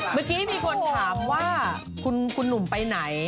เมื่อกี้มีคนถามว่าคุณหนุ่มไปไหน